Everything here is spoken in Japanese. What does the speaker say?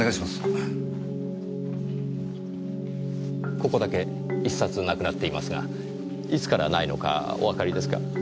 ここだけ１冊なくなっていますがいつからないのかおわかりですか？